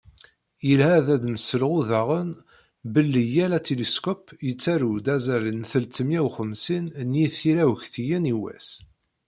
Yelha ad d-nselɣu daɣen belli yal atiliskup yettarew-d azal n teltemya u xemsin n yiṭira-ukṭiyen i wass.